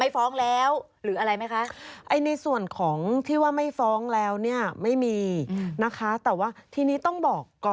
เพราะไม่บอก